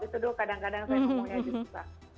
itu tuh kadang kadang saya ngomongnya juga